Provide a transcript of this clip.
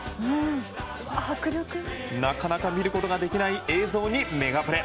なかなか見ることができない映像にメガプレ。